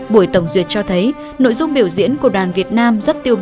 buổi tổng duyệt cho thấy nội dung biểu diễn của đoàn việt nam